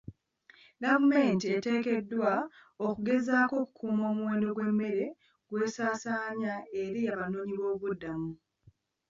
Gavumenti eteekeddwa okugezaako okukuuma omuwendo gw'emmere gw'esaasaanya eri abanoonyi b'obubuddamu.